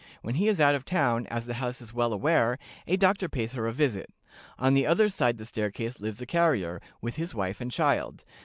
When he is out of town, as the house is well aware, a doctor pays her a visit. On the other side the staircase lives a carrier, with his wife and child.